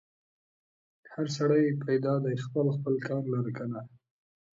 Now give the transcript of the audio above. هر سړی پیدا دی خپل خپل کار لره که نه؟